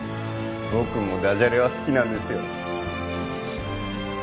僕もダジャレは好きなんですよ